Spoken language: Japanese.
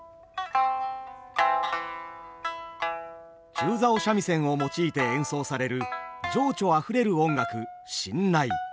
中棹三味線を用いて演奏される情緒あふれる音楽新内。